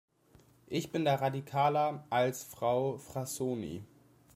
Ich bin da radikaler als Frau Frassoni.